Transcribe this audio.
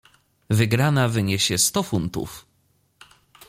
"Wygrana wyniesie sto funtów."